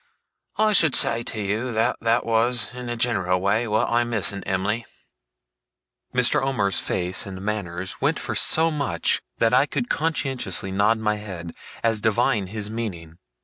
I should say to you, that that was in a general way what I miss in Em'ly.' Mr. Omer's face and manner went for so much, that I could conscientiously nod my head, as divining his meaning.